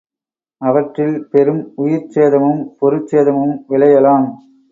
அவற்றில், பெரும் உயிர்ச் சேதமும், பொருட்சேதமும் விளையலாம்.